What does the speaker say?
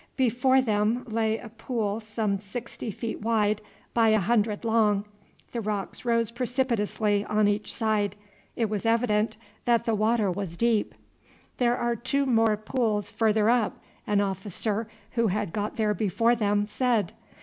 Before them lay a pool some sixty feet wide by a hundred long. The rocks rose precipitously on each side; it was evident that the water was deep. "There are two more pools further up," an officer who had got there before them said.